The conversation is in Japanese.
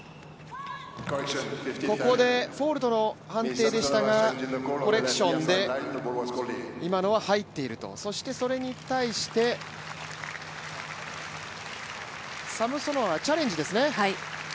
ここでフォルトの判定でしたがコレクションで今のは入っているとそれに対してサムソノワはチャレンジですね。